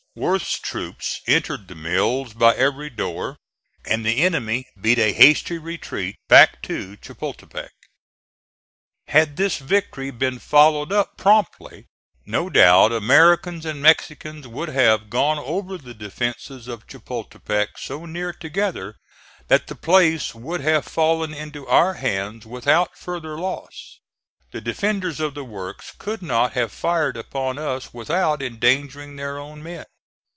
Worth's troops entered the Mills by every door, and the enemy beat a hasty retreat back to Chapultepec. Had this victory been followed up promptly, no doubt Americans and Mexicans would have gone over the defences of Chapultepec so near together that the place would have fallen into our hands without further loss. The defenders of the works could not have fired upon us without endangering their own men.